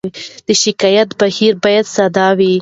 د شکایت بهیر باید ساده وي.